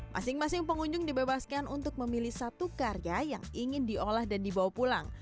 masing masing pengunjung dibebaskan untuk memilih satu karya yang ingin diolah dan dibawa pulang